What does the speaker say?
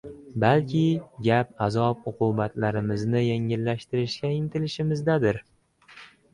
Balki gap azob-uqubatlarimizni yengillatishga intilishimizdadir?